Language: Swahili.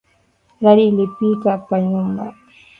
Radi iripika pa nyumba